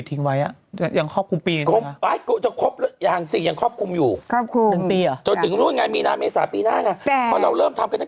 ทุกคนแค้นเซิล